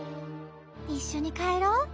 いっしょにかえろう。